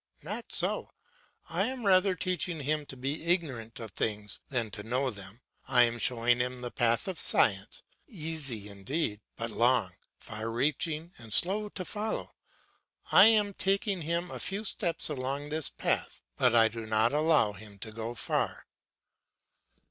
Not so, I am rather teaching him to be ignorant of things than to know them. I am showing him the path of science, easy indeed, but long, far reaching and slow to follow. I am taking him a few steps along this path, but I do not allow him to go far.